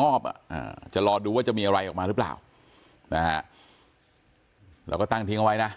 งอบจะรอดูว่าจะมีอะไรออกมาหรือเปล่านะฮะเราก็ตั้งทิ้งเอาไว้นะ